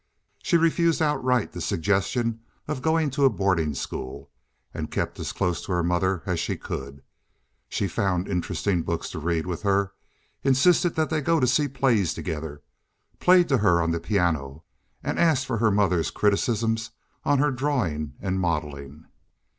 She refused outright the suggestion of going to a boarding school and kept as close to her mother as she could. She found interesting books to read with her, insisted that they go to see plays together, played to her on the piano, and asked for her mother's criticisms on her drawing and modeling.